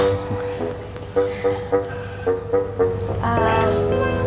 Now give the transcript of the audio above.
kita amin dulu ya